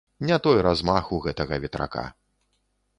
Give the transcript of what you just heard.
Не той размах у гэтага ветрака.